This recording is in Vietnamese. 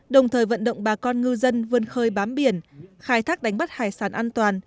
đồng thời vận động bà con ngư dân vươn khơi bám biển khai thác đánh bắt hải sản an toàn